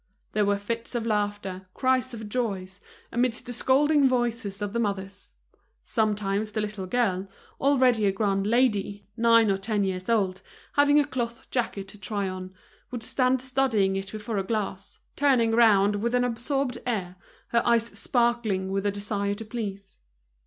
There were fits of laughter, cries of joy, amidst the scolding voices of the mothers. Sometimes a little girl, already a grand lady, nine or ten years old, having a cloth jacket to try on, would stand studying it before a glass, turning round, with an absorbed air, her eyes sparkling with a desire to please.